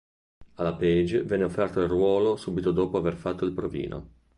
Alla Page venne offerto il ruolo subito dopo aver fatto il provino.